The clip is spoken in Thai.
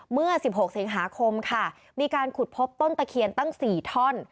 เมื่อ๑๖สิงหาคมค่ะมีการขุดพบต้นตะเคียนตั้ง๔ท่อน